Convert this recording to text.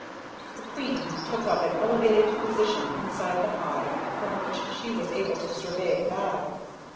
The queen took up an elevated position inside the hive from which she was able to survey the battle.